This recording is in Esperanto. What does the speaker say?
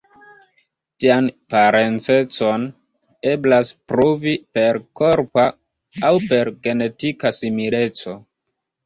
Tian parencecon eblas pruvi per korpa aŭ per genetika simileco.